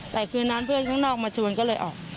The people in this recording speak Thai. แต่คืนนั้นเพื่อนข้างนอกมาชวนก็เลยออก